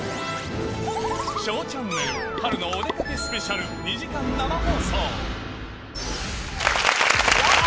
ＳＨＯＷチャンネル春のお出かけスペシャル２時間生放送。